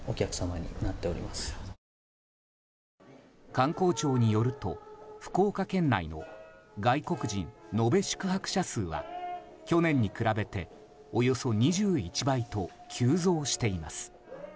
観光庁によると福岡県内の外国人の延べ宿泊者数は去年に比べておよそ２１倍と急増しています。